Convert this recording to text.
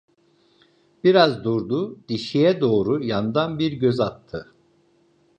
Biraz durdu, dişiye doğru yandan bir göz attı.